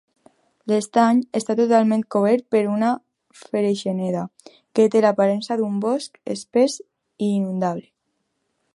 L'estany està totalment cobert per una freixeneda, que té l'aparença d'un bosc espès i inundable.